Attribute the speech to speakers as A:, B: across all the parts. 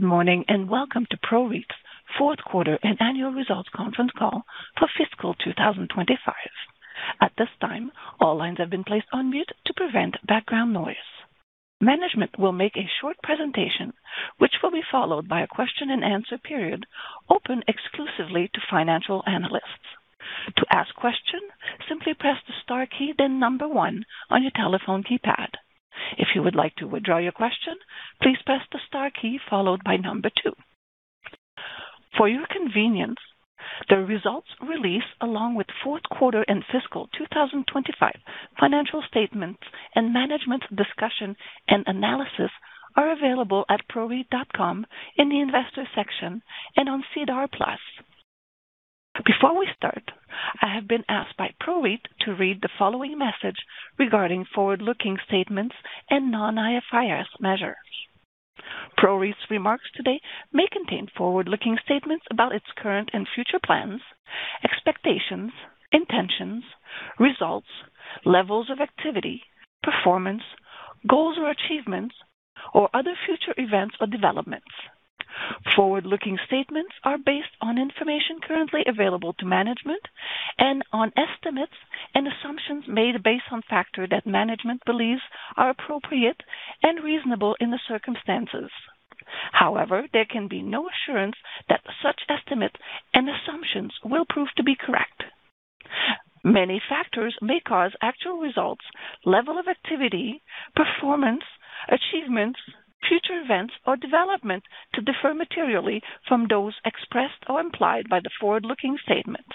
A: Morning and welcome to PROREIT's fourth quarter and annual results conference call for fiscal 2025. At this time, all lines have been placed on mute to prevent background noise. Management will make a short presentation, which will be followed by a question-and-answer period open exclusively to financial analysts. To ask question, simply press the star key then one on your telephone keypad. If you would like to withdraw your question, please press the star key followed by two. For your convenience, the results release, along with fourth quarter and fiscal 2025 financial statements and management's discussion and analysis are available at proreit.com in the Investors section and on SEDAR+. Before we start, I have been asked by PROREIT to read the following message regarding forward-looking statements and non-IFRS measures. PROREIT's remarks today may contain forward-looking statements about its current and future plans, expectations, intentions, results, levels of activity, performance, goals or achievements, or other future events or developments. Forward-looking statements are based on information currently available to management and on estimates and assumptions made based on factors that management believes are appropriate and reasonable in the circumstances. However, there can be no assurance that such estimates and assumptions will prove to be correct. Many factors may cause actual results, level of activity, performance, achievements, future events, or development to differ materially from those expressed or implied by the forward-looking statements.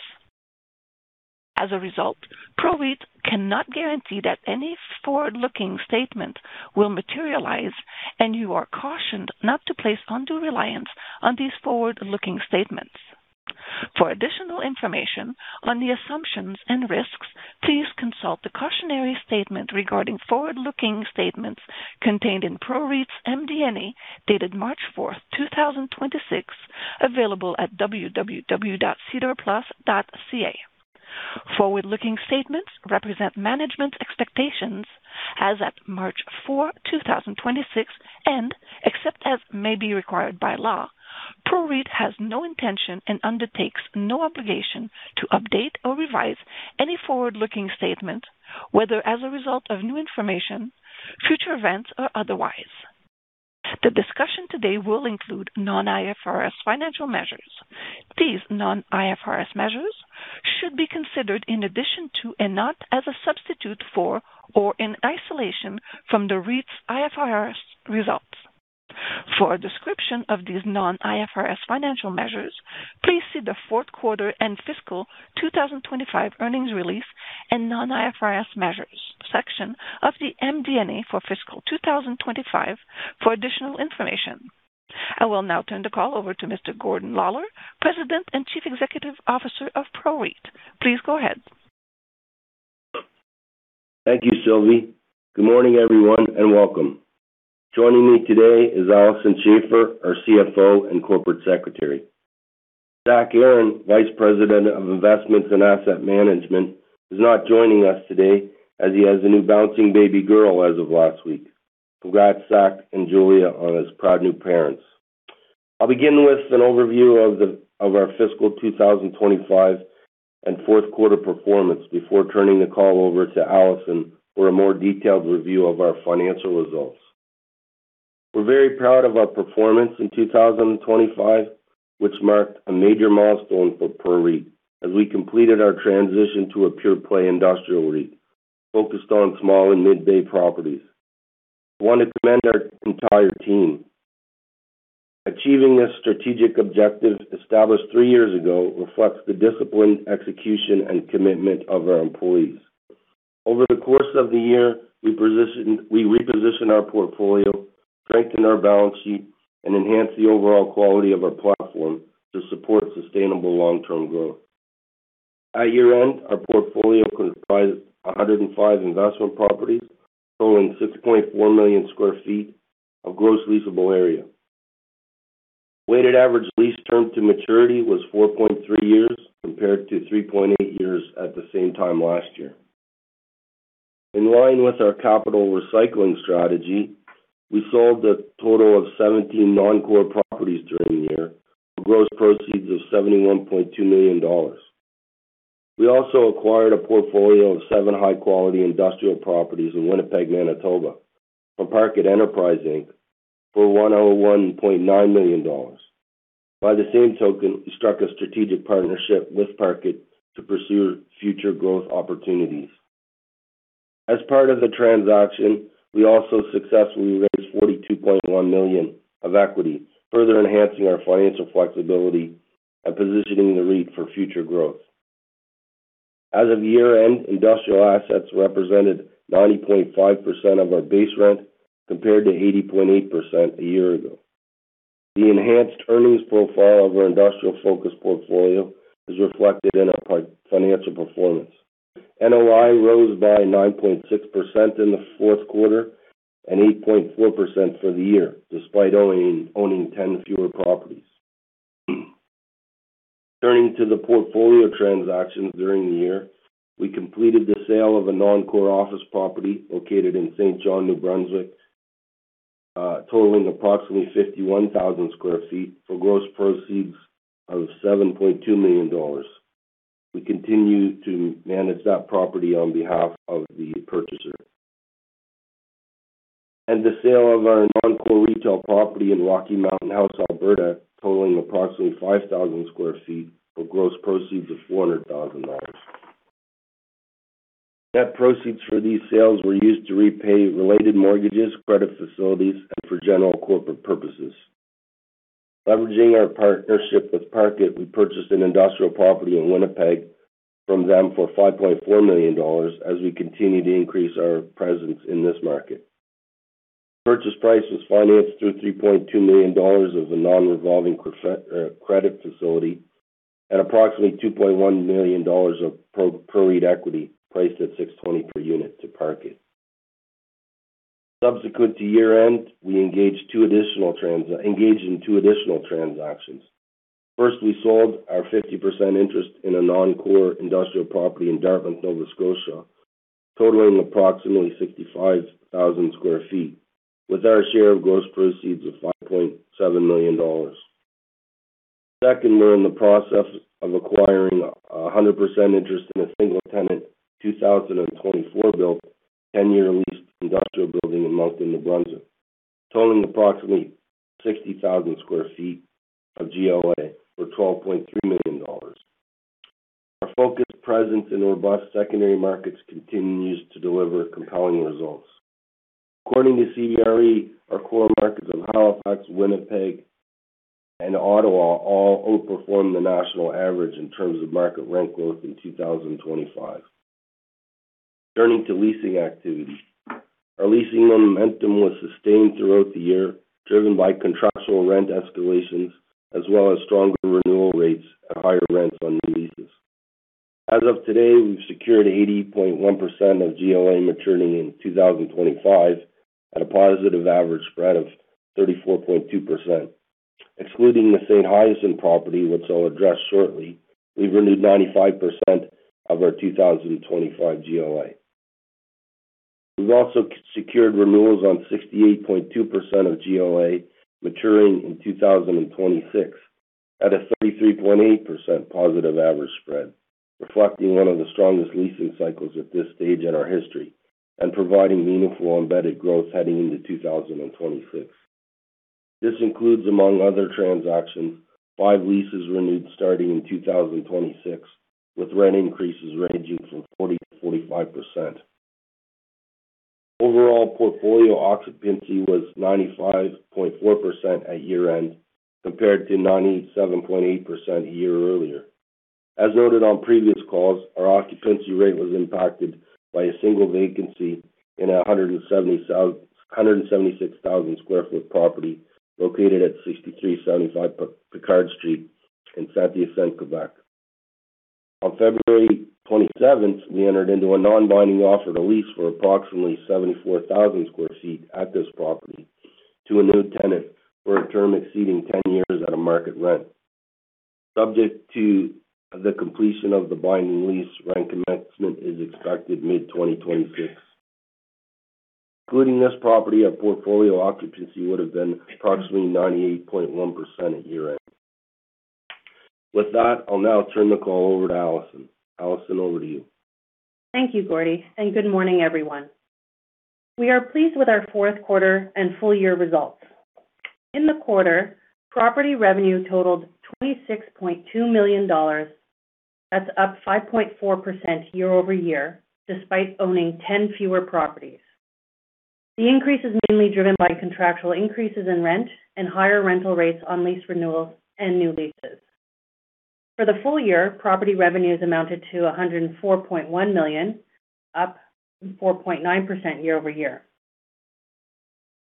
A: As a result, PROREIT cannot guarantee that any forward-looking statement will materialize, and you are cautioned not to place undue reliance on these forward-looking statements. For additional information on the assumptions and risks, please consult the cautionary statement regarding forward-looking statements contained in PROREIT's MD&A, dated March fourth, 2026, available at www.sedarplus.ca. Forward-looking statements represent management's expectations as at March 4, 2026, except as may be required by law, PROREIT has no intention and undertakes no obligation to update or revise any forward-looking statement, whether as a result of new information, future events, or otherwise. The discussion today will include non-IFRS financial measures. These non-IFRS measures should be considered in addition to, and not as a substitute for or in isolation from the REIT's IFRS results. For a description of these non-IFRS financial measures, please see the fourth quarter and fiscal 2025 earnings release and non-IFRS measures section of the MD&A for fiscal 2025 for additional information. I will now turn the call over to Mr. Gordon Lawlor, President and Chief Executive Officer of PROREIT. Please go ahead.
B: Thank you, Sylvie. Good morning, everyone, and welcome. Joining me today is Alison Schafer, our CFO and Corporate Secretary. Zachary Aaron, Vice President of Investments and Asset Management, is not joining us today as he has a new bouncing baby girl as of last week. Congrats, Zach and Julia on his proud new parents. I'll begin with an overview of our fiscal 2025 and fourth quarter performance before turning the call over to Alison for a more detailed review of our financial results. We're very proud of our performance in 2025, which marked a major milestone for PROREIT as we completed our transition to a pure play industrial REIT focused on small and mid-bay properties. I want to commend our entire team. Achieving this strategic objective established three years ago reflects the disciplined execution and commitment of our employees. Over the course of the year, we repositioned our portfolio, strengthened our balance sheet, and enhanced the overall quality of our platform to support sustainable long-term growth. At year-end, our portfolio comprised 105 investment properties totaling 6.4 million sq ft of gross leasable area. Weighted average lease term to maturity was 4.3 years, compared to 3.8 years at the same time last year. In line with our capital recycling strategy, we sold a total of 17 non-core properties during the year, for gross proceeds of 71.2 million dollars. We also acquired a portfolio of seven high-quality industrial properties in Winnipeg, Manitoba, from Parkit Enterprise Inc. for 101.9 million dollars. By the same token, we struck a strategic partnership with Parkit to pursue future growth opportunities. As part of the transaction, we also successfully raised 42.1 million of equity, further enhancing our financial flexibility and positioning the REIT for future growth. As of year-end, industrial assets represented 90.5% of our base rent, compared to 80.8% a year ago. The enhanced earnings profile of our industrial-focused portfolio is reflected in our financial performance. NOI rose by 9.6% in the fourth quarter and 8.4% for the year, despite owning 10 fewer properties. Turning to the portfolio transactions during the year, we completed the sale of a non-core office property located in Saint John, New Brunswick, totaling approximately 51,000 sq ft for gross proceeds of 7.2 million dollars. We continue to manage that property on behalf of the purchaser. The sale of our non-core retail property in Rocky Mountain House, Alberta, totaling approximately 5,000 sq ft for gross proceeds of 400,000 dollars. Net proceeds for these sales were used to repay related mortgages, credit facilities, and for general corporate purposes. Leveraging our partnership with Parkit, we purchased an industrial property in Winnipeg from them for 5.4 million dollars as we continue to increase our presence in this market. Purchase price was financed through 3.2 million dollars of the non-revolving credit facility at approximately 2.1 million dollars of PROREIT equity priced at 6.20 per unit to Parkit. Subsequent to year-end, we engaged in two additional transactions. First, we sold our 50% interest in a non-core industrial property in Dartmouth, Nova Scotia, totaling approximately 65,000 sq ft, with our share of gross proceeds of 5.7 million dollars. Second, we're in the process of acquiring a 100% interest in a single-tenant, 2024 built, 10-year leased industrial building in Moncton, New Brunswick, totaling approximately 60,000 sq ft of GLA for 12.3 million dollars. Our focused presence in robust secondary markets continues to deliver compelling results. According to CBRE, our core markets of Halifax, Winnipeg, and Ottawa all outperformed the national average in terms of market rent growth in 2025. Turning to leasing activity. Our leasing momentum was sustained throughout the year, driven by contractual rent escalations as well as stronger renewal rates at higher rents on new leases. As of today, we've secured 80.1% of GLA maturing in 2025 at a positive average spread of 34.2%. Excluding the Saint-Hyacinthe property, which I'll address shortly, we've renewed 95% of our 2025 GLA. We've also secured renewals on 68.2% of GLA maturing in 2026 at a 33.8% positive average spread, reflecting one of the strongest leasing cycles at this stage in our history and providing meaningful embedded growth heading into 2026. This includes, among other transactions, five leases renewed starting in 2026, with rent increases ranging from 40%-45%. Overall, portfolio occupancy was 95.4% at year-end, compared to 97.8% a year earlier. As noted on previous calls, our occupancy rate was impacted by a single vacancy in a 176,000 sq ft property located at 6375 Picard Street in Saint-Hyacinthe, Quebec. On February 27th, we entered into a non-binding offer to lease for approximately 74,000 sq ft at this property to a new tenant for a term exceeding 10 years at a market rent. Subject to the completion of the binding lease, rent commencement is expected mid-2026. Including this property, our portfolio occupancy would have been approximately 98.1% at year-end. I'll now turn the call over to Alison. Alison, over to you.
C: Thank you, Gordie. Good morning, everyone. We are pleased with our fourth quarter and full year results. In the quarter, property revenue totaled 26.2 million dollars. That's up 5.4% year-over-year, despite owning 10 fewer properties. The increase is mainly driven by contractual increases in rent and higher rental rates on lease renewals and new leases. For the full year, property revenues amounted to 104.1 million, up 4.9% year-over-year.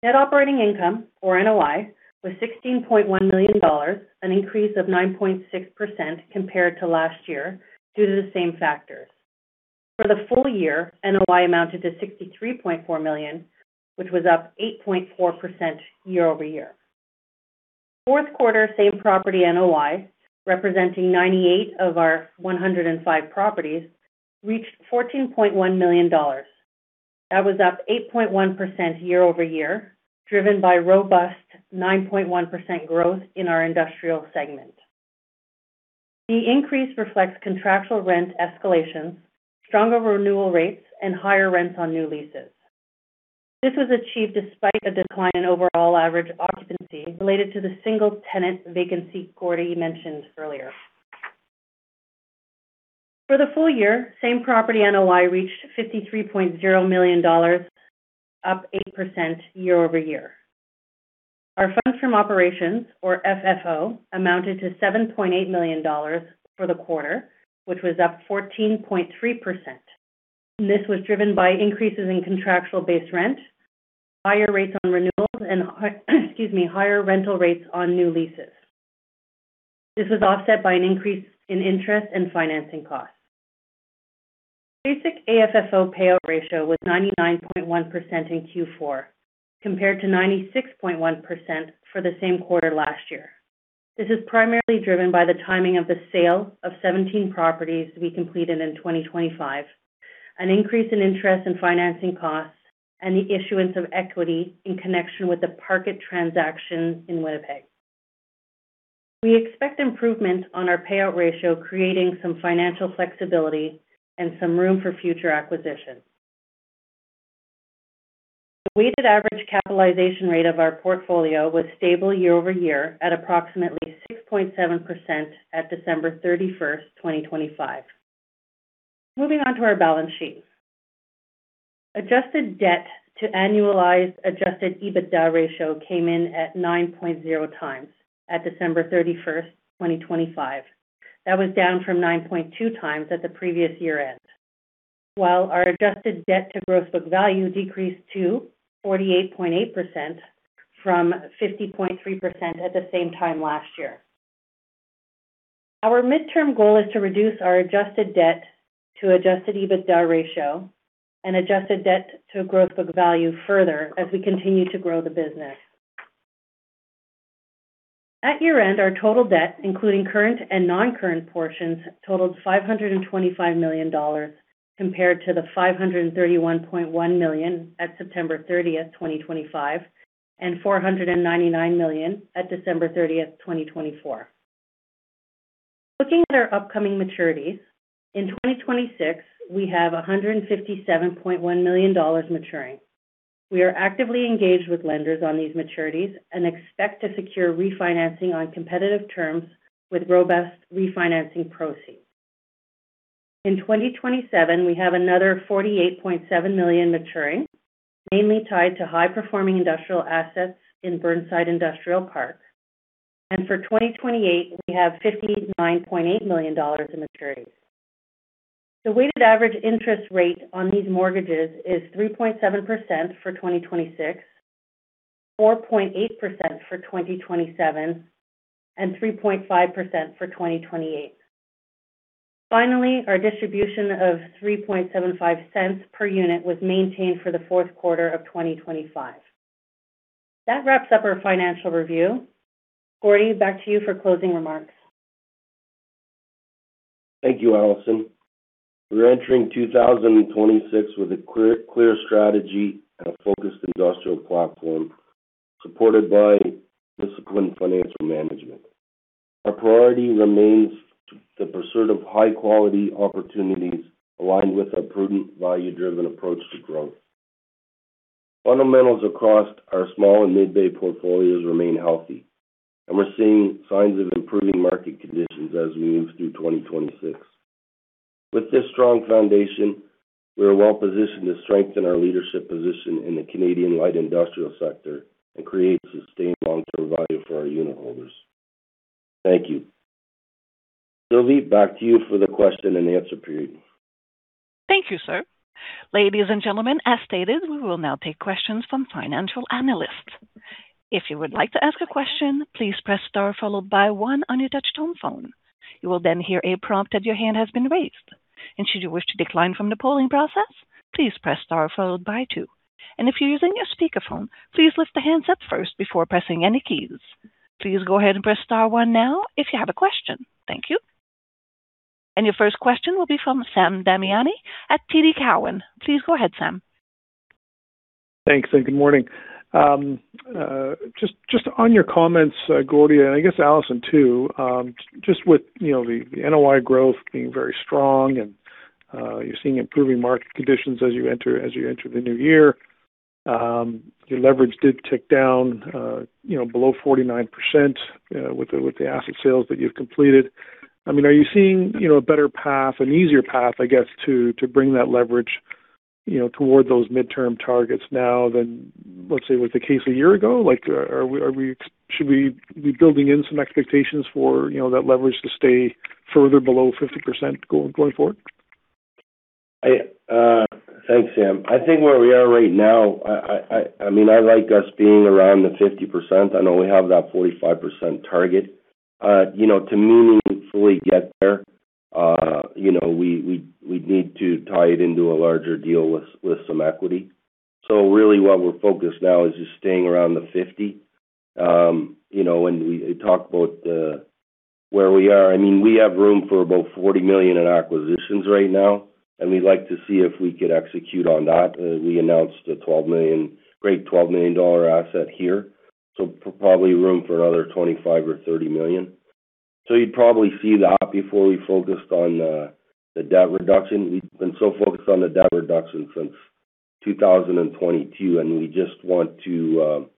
C: Net operating income, or NOI, was 16.1 million dollars, an increase of 9.6% compared to last year due to the same factors. For the full year, NOI amounted to 63.4 million, which was up 8.4% year-over-year. Fourth quarter same-property NOI, representing 98 of our 105 properties, reached $14.1 million. That was up 8.1% year-over-year, driven by robust 9.1% growth in our industrial segment. The increase reflects contractual rent escalations, stronger renewal rates, and higher rents on new leases. This was achieved despite a decline in overall average occupancy related to the single-tenant vacancy Gordie mentioned earlier. For the full year, same-property NOI reached $53.0 million, up 8% year-over-year. Our funds from operations, or FFO, amounted to $7.8 million for the quarter, which was up 14.3%. This was driven by increases in contractual base rent, higher rates on renewals, and excuse me, higher rental rates on new leases. This was offset by an increase in interest and financing costs. Basic AFFO payout ratio was 99.1% in Q4, compared to 96.1% for the same quarter last year. This is primarily driven by the timing of the sale of 17 properties to be completed in 2025, an increase in interest and financing costs, and the issuance of equity in connection with the Parkit transaction in Winnipeg. We expect improvement on our payout ratio, creating some financial flexibility and some room for future acquisitions. Weighted average capitalization rate of our portfolio was stable year-over-year at approximately 6.7% at December 31st, 2025. Moving on to our balance sheet. Adjusted Debt to Annualized Adjusted EBITDA ratio came in at 9.0x at December 31st, 2025. That was down from 9.2x at the previous year-end. While our adjusted debt to gross book value decreased to 48.8% from 50.3% at the same time last year. Our midterm goal is to reduce our adjusted debt to adjusted EBITDA ratio and adjusted debt to a growth book value further as we continue to grow the business. At year-end, our total debt, including current and non-current portions, totaled 525 million dollars, compared to the 531.1 million at September 30th, 2025, and 499 million at December 30th, 2024. Looking at our upcoming maturities, in 2026, we have 157.1 million dollars maturing. We are actively engaged with lenders on these maturities and expect to secure refinancing on competitive terms with robust refinancing proceeds. In 2027, we have another 48.7 million maturing, mainly tied to high-performing industrial assets in Burnside Industrial Park. For 2028, we have 59.8 million dollars in maturity. The weighted average interest rate on these mortgages is 3.7% for 2026, 4.8% for 2027, and 3.5% for 2028. Finally, our distribution of 0.0375 per unit was maintained for the Q4 of 2025. That wraps up our financial review. Gordy, back to you for closing remarks.
B: Thank you, Alison. We're entering 2026 with a clear strategy and a focused industrial platform supported by disciplined financial management. Our priority remains the pursuit of high-quality opportunities aligned with our prudent, value-driven approach to growth. Fundamentals across our small- and mid-bay portfolios remain healthy, and we're seeing signs of improving market conditions as we move through 2026. With this strong foundation, we are well-positioned to strengthen our leadership position in the Canadian light industrial sector and create sustained long-term value for our unit holders. Thank you. Sylvie, back to you for the question and answer period.
A: Thank you, sir. Ladies and gentlemen, as stated, we will now take questions from financial analysts. If you would like to ask a question, please press star followed by one on your touch-tone phone. You will then hear a prompt that your hand has been raised. Should you wish to decline from the polling process, please press star followed by two. If you're using your speakerphone, please lift the handset first before pressing any keys. Please go ahead and press star one now if you have a question. Thank you. Your first question will be from Sam Damiani at TD Cowen. Please go ahead, Sam.
D: Thanks. Good morning. Just on your comments, Gordy, and I guess Alison, too, just with, you know, the NOI growth being very strong and you're seeing improving market conditions as you enter the new year, your leverage did tick down, you know, below 49% with the asset sales that you've completed. I mean, are you seeing, you know, a better path, an easier path, I guess, to bring that leverage, you know, toward those midterm targets now than, let's say, was the case a year ago? Like, are we should we be building in some expectations for, you know, that leverage to stay further below 50% going forward?
B: Thanks, Sam. I mean, I like us being around the 50%. I know we have that 45% target. You know, to meaningfully get there, you know, we'd need to tie it into a larger deal with some equity. Really what we're focused now is just staying around the 50. You know, and we talk about where we are. I mean, we have room for about $40 million in acquisitions right now, and we'd like to see if we could execute on that. We announced a great $12 million asset here, so probably room for another $25 million or $30 million. You'd probably see that before we focused on the debt reduction. We've been so focused on the debt reduction since 2022, and we just want to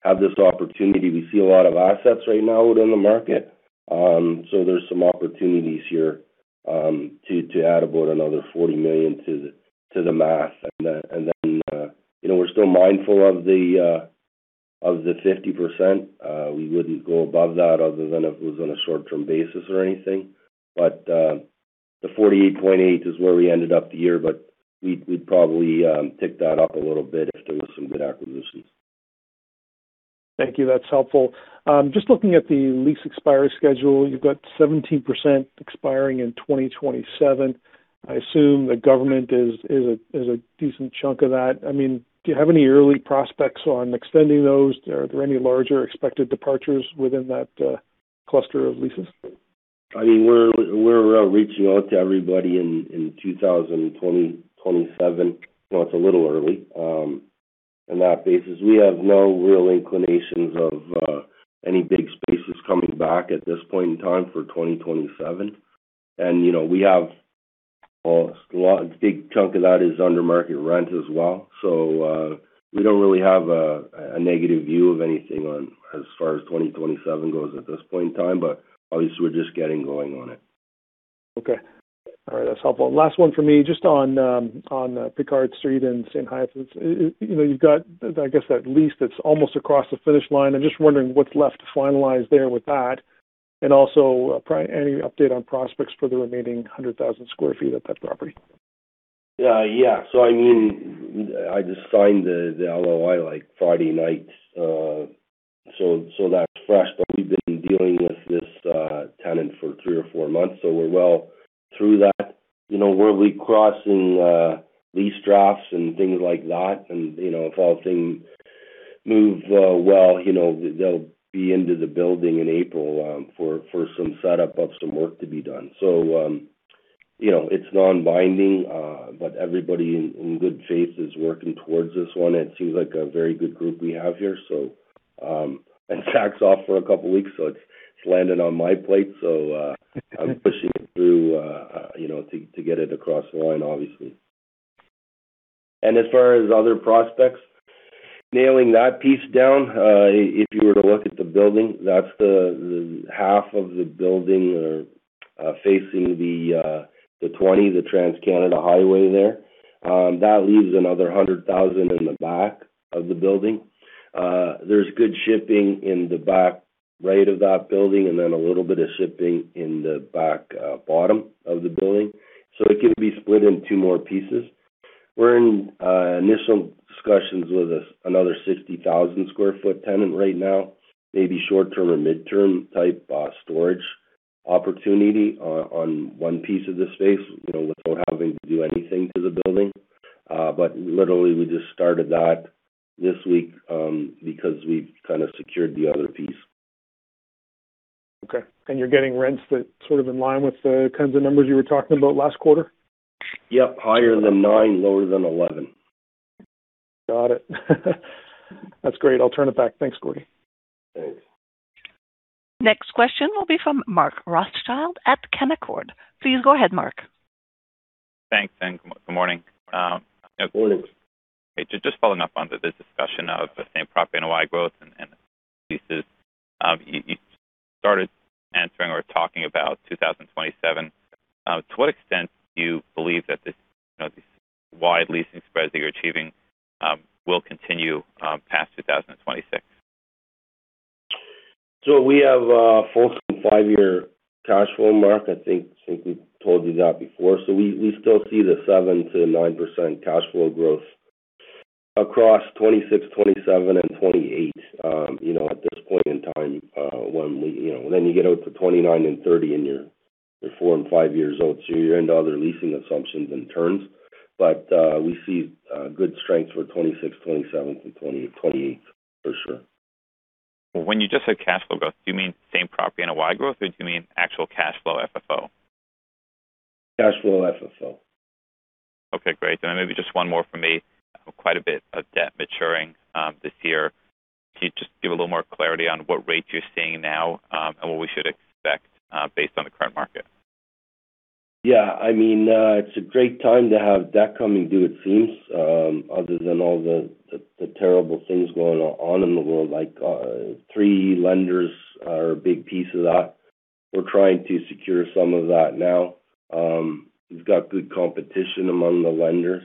B: have this opportunity. We see a lot of assets right now out in the market, so there's some opportunities here to add about another 40 million to the math. You know, we're still mindful of the 50%. We wouldn't go above that other than if it was on a short-term basis or anything. The 48.8% is where we ended up the year, but we'd probably pick that up a little bit if there was some good acquisitions.
D: Thank you. That's helpful. Just looking at the lease expiry schedule, you've got 70% expiring in 2027. I assume the government is a decent chunk of that. I mean, do you have any early prospects on extending those? Are there any larger expected departures within that cluster of leases?
B: I mean, we're reaching out to everybody in 2027. Well, it's a little early on that basis. We have no real inclinations of any big spaces coming back at this point in time for 2027. You know, a big chunk of that is under market rent as well. We don't really have a negative view of anything on as far as 2027 goes at this point in time, at least we're just getting going on it.
D: Okay. All right. That's helpful. Last one for me, just on Picard Street in Saint-Hyacinthe. You know, you've got, I guess, that lease that's almost across the finish line. I'm just wondering what's left to finalize there with that. Also, any update on prospects for the remaining 100,000 sq ft at that property.
B: Yeah. I mean, I just signed the LOI, like, Friday night, so that's fresh. We've been dealing with this tenant for three or four months, so we're well through that. You know, we're crossing lease drafts and things like that. You know, if all things move well, you know, they'll be into the building in April for some setup of some work to be done. You know, it's non-binding, but everybody in good faith is working towards this one. It seems like a very good group we have here. So... Zach's off for a couple of weeks, so it's landed on my plate. I'm pushing through, you know, to get it across the line, obviously. As far as other prospects, nailing that piece down, if you were to look at the building, that's the half of the building or, facing the 20, the Trans-Canada Highway there. That leaves another 100,000 in the back of the building. There's good shipping in the back right of that building and then a little bit of shipping in the back, bottom of the building. It can be split in two more pieces. We're in initial discussions with another 60,000 sq ft tenant right now. Maybe short-term or mid-term type, storage opportunity on one piece of the space, you know, without having to do anything to the building. Literally, we just started that this week, because we've kinda secured the other piece.
D: Okay. You're getting rents that sort of in line with the kinds of numbers you were talking about last quarter?
B: Yep. Higher than nine, lower than 11.
D: Got it. That's great. I'll turn it back. Thanks, Gordie.
B: Thanks.
A: Next question will be from Mark Rothschild at Canaccord. Please go ahead, Mark.
E: Thanks, good morning.
B: Good morning.
E: Just following up onto this discussion of the Same Property NOI growth and leases. You started answering or talking about 2027. To what extent do you believe that this, you know, these wide leasing spreads that you're achieving, will continue past 2026?
B: We have four to five-year cash flow, Mark. I think we told you that before. We still see the 7%-9% cash flow growth across 2026, 2027 and 2028, you know, at this point in time. You know, then you get out to 2029 and 2030, and you're four and five years old, so you're into other leasing assmptions and terms. We see good strength for 2026, 2027 and 2028 for sure.
E: When you just said cash flow growth, do you mean Same Property NOI growth, or do you mean actual cash flow FFO?
B: Cash flow FFO.
E: Okay, great. Maybe just one more for me. Quite a bit of debt maturing this year. Can you just give a little more clarity on what rates you're seeing now, and what we should expect based on the current market?
B: Yeah. I mean, it's a great time to have debt coming due it seems, other than all the, the terrible things going on in the world, like, three lenders are a big piece of that. We're trying to secure some of that now. We've got good competition among the lenders.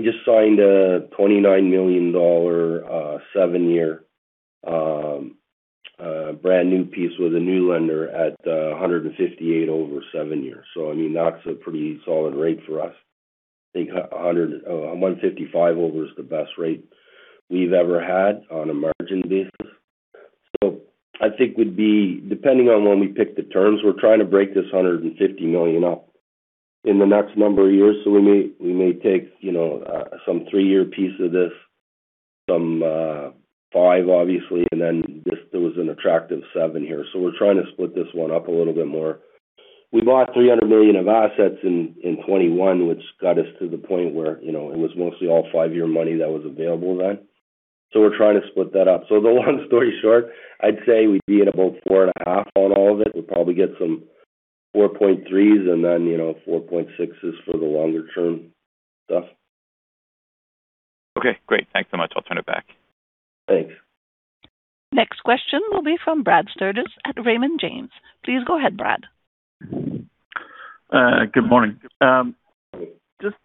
B: We just signed a 29 million dollar, seven-year, brand new piece with a new lender at 158 over seven years. I mean, that's a pretty solid rate for us. I think 155 over is the best rate we've ever had on a margin basis. Depending on when we pick the terms, we're trying to break this 150 million up in the next number of years. We may take, you know, some three-year piece of this, some five obviously, and then there was an attractive seven here. We're trying to split this one up a little bit more. We bought 300 million of assets in 2021, which got us to the point where, you know, it was mostly all five-year money that was available then. We're trying to split that up. The long story short, I'd say we'd be at about 4.5 on all of it. We'll probably get some 4.3s and then, you know, 4.6s for the longer-term stuff.
E: Okay, great. Thanks so much. I'll turn it back.
B: Thanks.
A: Next question will be from Brad Sturges at Raymond James. Please go ahead, Brad.
F: Good morning. Just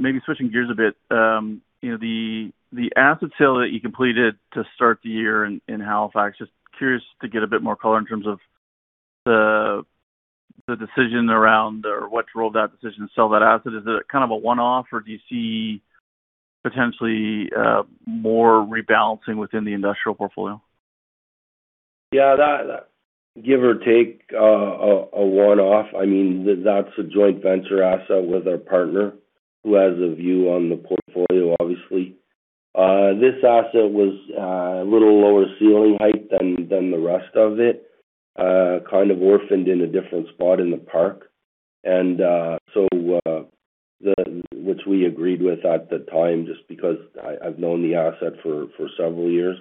F: maybe switching gears a bit, you know, the asset sale that you completed to start the year in Halifax, just curious to get a bit more color in terms of. The decision around or what drove that decision to sell that asset, is it kind of a one-off or do you see potentially, more rebalancing within the industrial portfolio?
B: Yeah, that give or take, a one-off. I mean, that's a joint venture asset with our partner who has a view on the portfolio, obviously. This asset was a little lower ceiling height than the rest of it, kind of orphaned in a different spot in the park. So, which we agreed with at the time, just because I've known the asset for several years.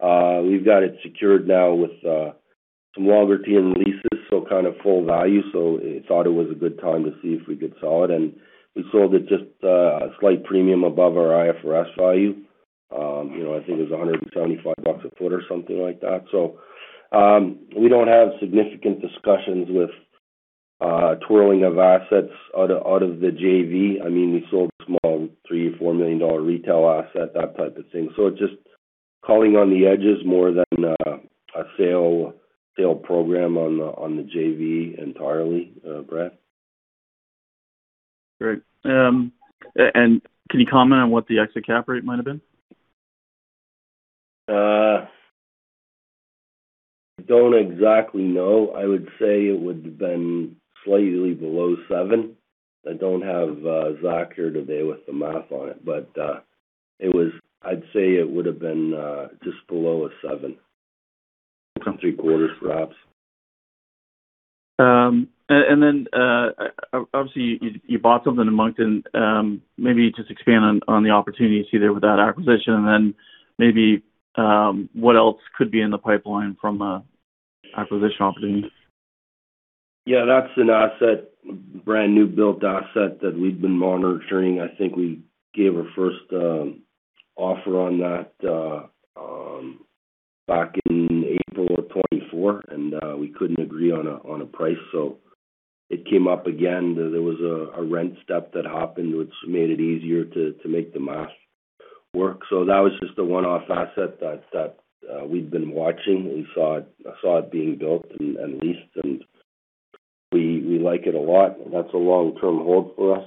B: We've got it secured now with some longer-term leases, so kind of full value. Thought it was a good time to see if we could sell it, and we sold it just a slight premium above our IFRS value. You know, I think it was 125 bucks a foot or something like that. We don't have significant discussions with twirling of assets out of the JV. I mean, we sold a small 3 million-4 million dollar retail asset, that type of thing. Just culling on the edges more than a sale program on the JV entirely, Brad.
F: Great. Can you comment on what the exit cap rate might have been?
B: Don't exactly know. I would say it would have been slightly below 7. I don't have, Zach here today with the math on it, but, I'd say it would have been, just below a 7. Three quarters, perhaps.
F: Obviously, you bought something in Moncton. Maybe just expand on the opportunities either with that acquisition and then maybe, what else could be in the pipeline from a acquisition opportunity?
B: Yeah, that's an asset, brand new built asset that we've been monitoring. I think we gave our first offer on that back in April of 2024. We couldn't agree on a price. It came up again. There was a rent step that happened, which made it easier to make the math work. That was just a one-off asset that we've been watching. We saw it being built and leased, and we like it a lot. That's a long-term hold for us.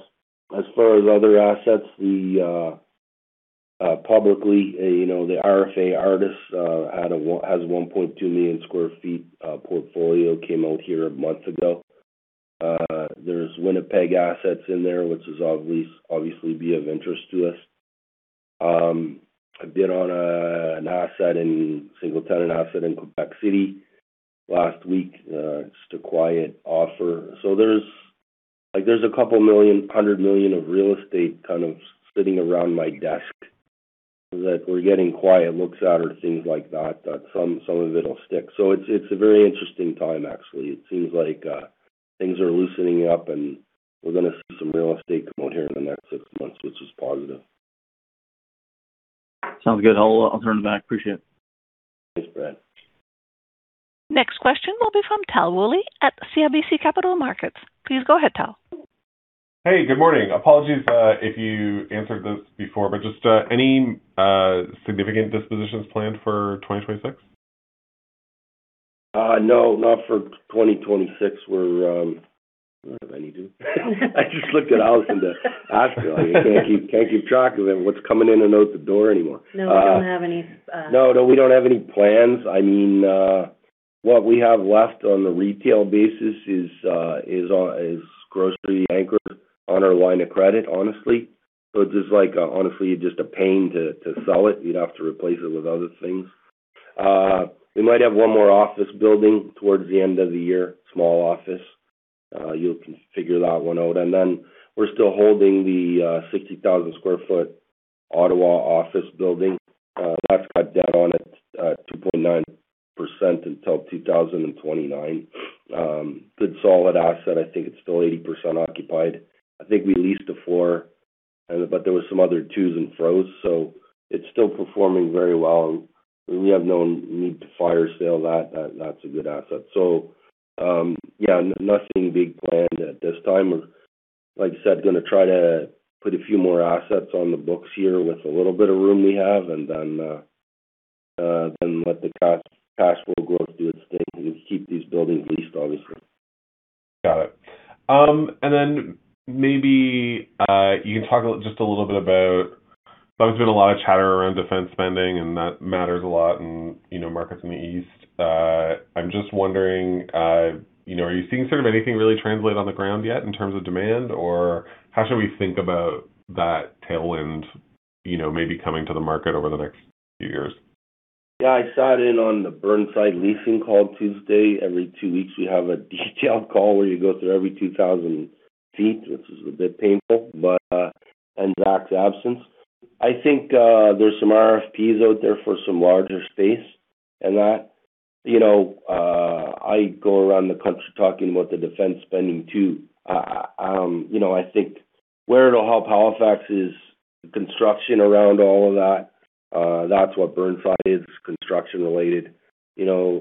B: As far as other assets, we publicly, you know, the Artis has 1.2 million sq ft portfolio came out here a month ago. There's Winnipeg assets in there, which is obviously be of interest to us. I've been on single tenant asset in Quebec City last week, just a quiet offer. like there's a couple million, 100 million of real estate kind of sitting around my desk that we're getting quiet looks at or things like that some of it'll stick. It's a very interesting time, actually. It seems like things are loosening up, and we're gonna see some real estate come out here in the next six months, which is positive.
F: Sounds good. I'll turn it back. Appreciate it.
B: Thanks, Brad.
A: Next question will be from Tal Woolley at CIBC Capital Markets. Please go ahead, Tal.
G: Hey, good morning. Apologies, if you answered this before, but just any significant dispositions planned for 2026?
B: No, not for 2026. We're. Do I have any, dude? I just looked at Alison to ask her. You can't keep track of what's coming in and out the door anymore.
C: No, we don't have any.
B: No, no, we don't have any plans. I mean, what we have left on the retail basis is grocery anchors on our line of credit, honestly. Just like, honestly, just a pain to sell it. You'd have to replace it with other things. We might have one more office building towards the end of the year, small office. You can figure that one out. Then we're still holding the 60,000 sq ft Ottawa office building. That's got down on it, 2.9% until 2029. Good solid asset. I think it's still 80% occupied. I think we leased a floor, but there was some other tos and fro. It's still performing very well. We have no need to fire sale that. That's a good asset. Yeah, nothing big planned at this time. Like I said, gonna try to put a few more assets on the books here with a little bit of room we have, let the cash flow growth do its thing and keep these buildings leased, obviously.
G: Got it. Then maybe, you can talk just a little bit about... There's been a lot of chatter around defense spending, and that matters a lot in, you know, markets in the east. I'm just wondering, you know, are you seeing sort of anything really translate on the ground yet in terms of demand? Or how should we think about that tailwind, you know, maybe coming to the market over the next few years?
B: Yeah. I sat in on the Burnside leasing call Tuesday. Every two weeks, we have a detailed call where you go through every 2,000 ft, which is a bit painful, but in Zach's absence. I think there's some RFPs out there for some larger space and that. You know, I go around the country talking about the defense spending too. You know, I think where it'll help Halifax is construction around all of that. That's what Burnside is, construction related. You know,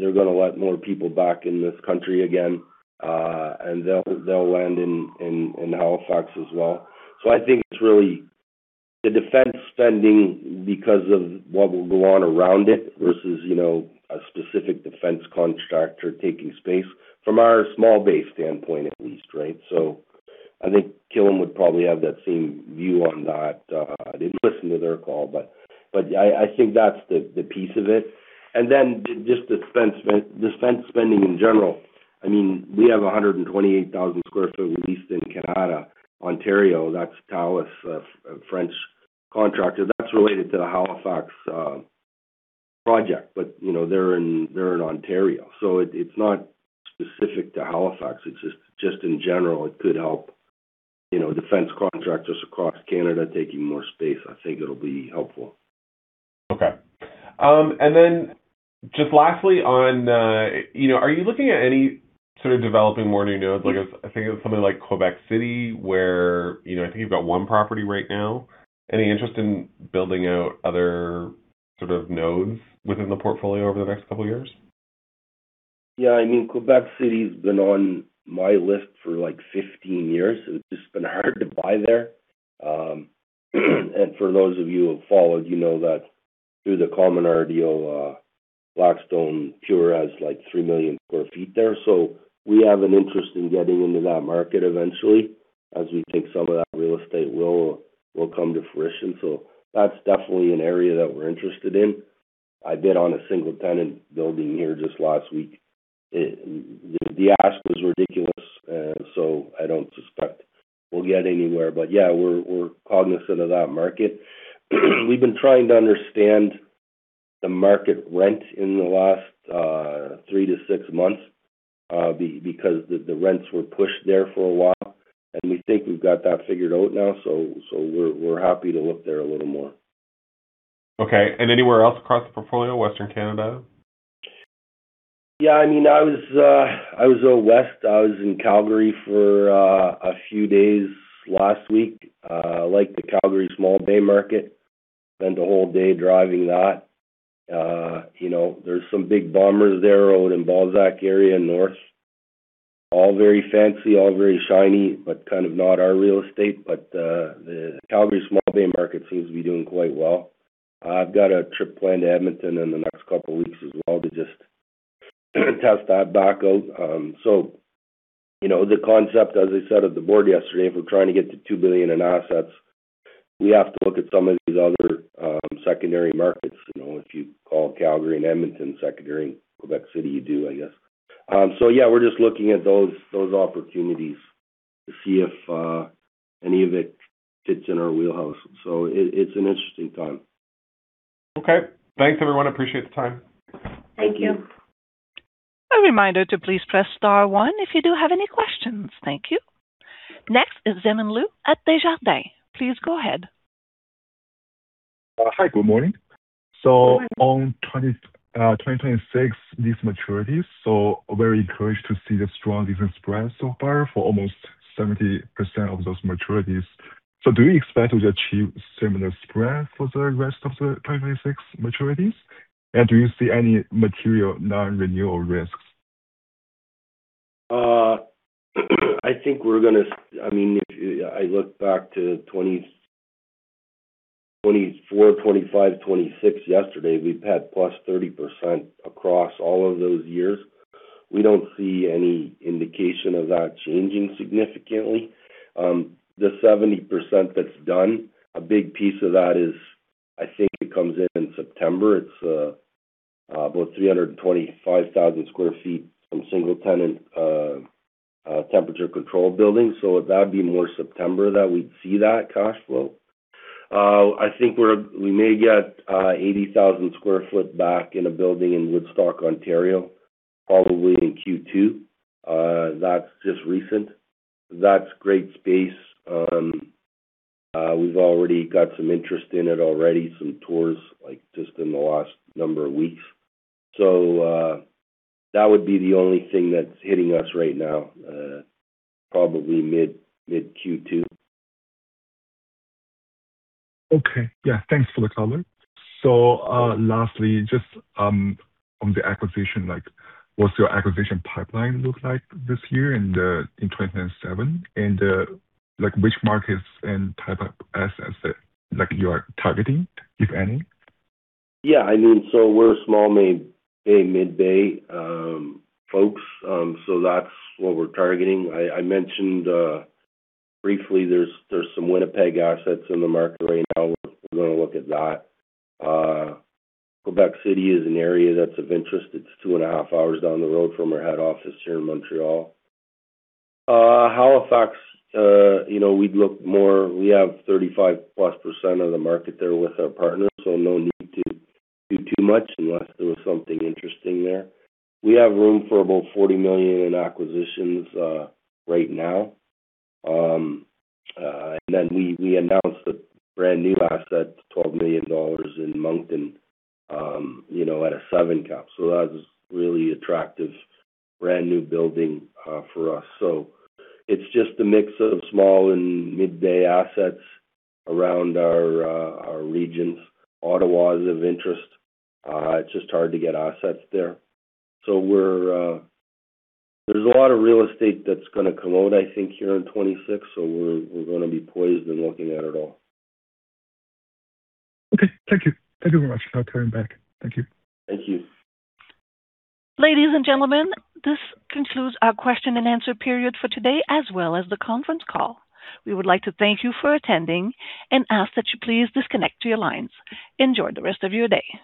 B: they're gonna let more people back in this country again, and they'll land in Halifax as well. I think it's really the defense spending because of what will go on around it versus, you know, a specific defense contractor taking space from our small-bay standpoint at least, right? I think Killam would probably have that same view on that. I didn't listen to their call, but I think that's the piece of it. Just defense spending in general. I mean, we have 128,000 sq ft leased in Canada, Ontario. That's Thales, a French contractor that's related to the Halifax project, but, you know, they're in Ontario, so it's not specific to Halifax. It's just in general, it could help, you know, defense contractors across Canada taking more space. I think it'll be helpful.
G: Okay. Just lastly on, you know, are you looking at any sort of developing more new nodes? Like, I think of something like Quebec City where, you know, I think you've got one property right now. Any interest in building out other sort of nodes within the portfolio over the next couple of years?
B: Yeah. I mean, Quebec City's been on my list for like 15 years. It's just been hard to buy there. For those of you who have followed, you know that through Cominar, Blackstone Pure has like 3 million sq ft there. We have an interest in getting into that market eventually, as we think some of that real estate will come to fruition. That's definitely an area that we're interested in. I bid on a single tenant building here just last week. The ask was ridiculous, I don't suspect we'll get anywhere. Yeah, we're cognizant of that market. We've been trying to understand the market rent in the last three to six months, because the rents were pushed there for a while, and we think we've got that figured out now. We're happy to look there a little more.
G: Okay. Anywhere else across the portfolio, Western Canada?
B: Yeah. I mean, I was out west. I was in Calgary for a few days last week. liked the Calgary small-bay market. Spent a whole day driving that. You know, there's some big bombers there out in Balzac area, north. All very fancy, all very shiny, but kind of not our real estate. The Calgary small-bay market seems to be doing quite well. I've got a trip planned to Edmonton in the next couple of weeks as well to just test that back out. You know, the concept, as I said at the board yesterday, if we're trying to get to 2 billion in assets, we have to look at some of these other, secondary markets. You know, if you call Calgary and Edmonton secondary, and Quebec City, you do, I guess. Yeah, we're just looking at those opportunities to see if any of it fits in our wheelhouse. It's an interesting time.
G: Okay. Thanks, everyone. Appreciate the time.
B: Thank you.
A: A reminder to please press star one if you do have any questions. Thank you. Next is Lorne Kalmar at Desjardins. Please go ahead.
H: Hi. Good morning. On 2026 lease maturities, very encouraged to see the strong lease spread so far for almost 70% of those maturities. Do you expect to achieve similar spread for the rest of the 2026 maturities? Do you see any material non-renewal risks?
B: I think we're gonna... I mean, if I look back to 2024, 2025, 2026 yesterday, we've had +30% across all of those years. We don't see any indication of that changing significantly. The 70% that's done, a big piece of that is, I think it comes in in September. It's about 325,000 sq ft from single tenant, temperature control building. That'd be more September that we'd see that cash flow. I think we may get 80,000 sq ft back in a building in Woodstock, Ontario, probably in Q2. That's just recent. That's great space. We've already got some interest in it already, some tours, like, just in the last number of weeks. That would be the only thing that's hitting us right now, probably mid Q2.
H: Okay. Yeah. Thanks for the comment. Lastly, just on the acquisition, like, what's your acquisition pipeline look like this year and in 2027? Like, which markets and type of assets that, like, you are targeting, if any?
B: Yeah. I mean, we're small-bay, mid-bay folks. That's what we're targeting. I mentioned briefly there's some Winnipeg assets in the market right now. We're gonna look at that. Quebec City is an area that's of interest. It's two and a half hours down the road from our head office here in Montreal. Halifax, you know, we'd look. We have 35%+ of the market there with our partners, no need to do too much unless there was something interesting there. We have room for about 40 million in acquisitions right now. We announced a brand new asset, 12 million dollars in Moncton, you know, at a seven cap. That was really attractive brand new building for us. It's just a mix of small and mid-bay assets around our regions. Ottawa is of interest, it's just hard to get assets there. We're gonna be poised and looking at it all.
H: Okay. Thank you. Thank you very much. I'll turn back. Thank you.
B: Thank you.
A: Ladies and gentlemen, this concludes our question and answer period for today, as well as the conference call. We would like to thank you for attending and ask that you please disconnect your lines. Enjoy the rest of your day.